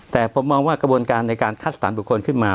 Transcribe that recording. แต่ผมมองว่ากระบวนการในการคัดสถานบุคคลขึ้นมา